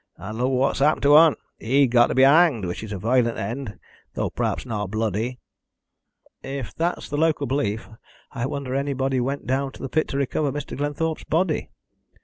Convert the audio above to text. And look what's happened to un! He's got to be hanged, which is a violent end, thow p'r'aps not bloody." "If that's the local belief, I wonder anybody went down into the pit to recover Mr. Glenthorpe's body."